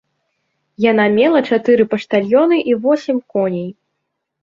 Яна мела чатыры паштальёны і восем коней.